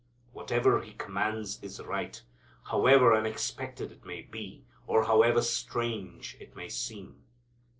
Whatever He commands is right, however unexpected it may be, or however strange it may seem.